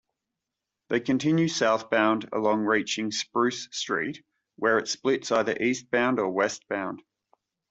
They continue southbound along reaching Spruce Street, where it splits either eastbound or westbound.